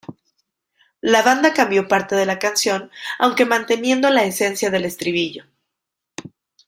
La banda cambió gran parte de la canción aunque manteniendo la esencia del estribillo.